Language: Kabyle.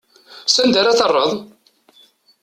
S anda ara terreḍ?